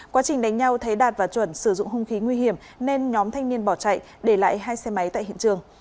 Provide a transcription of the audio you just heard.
quá trình đánh nhau thấy đạt và chuẩn sử dụng hung khí nguy hiểm nên nhóm thanh niên bỏ chạy để lại hai xe máy tại hiện trường